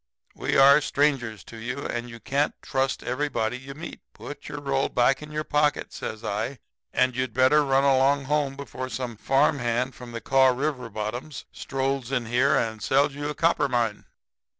'We are strangers to you, and you can't trust everybody you meet. Put your roll back in your pocket,' says I. 'And you'd better run along home before some farm hand from the Kaw River bottoms strolls in here and sells you a copper mine.'